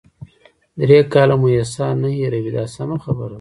درې کاله مو احسان نه هیروي دا سمه خبره ده.